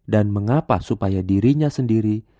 dan mengapa supaya dirinya sendiri